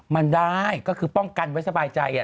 มันได้ก็คือป้องกันไว้สบายใจ